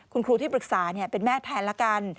คุณครูที่ปรึกษาเป็นแม่แทนละกัน